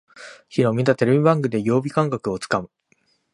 きのう見たテレビ番組で曜日感覚をつかむ